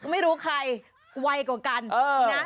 ไม่รู้ใครวัยกว่ากัน